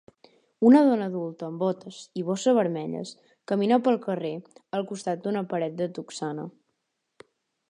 Una dona adulta amb botes i bossa vermelles camina pel carrer al costat d'una paret de totxana.